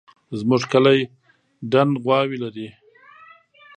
زموږ کلی دڼ غواوې لري